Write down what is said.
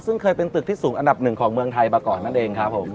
ซึ่งเคยเป็นตึกที่สูงอันดับหนึ่งของเมืองไทยมาก่อนนั่นเองครับผม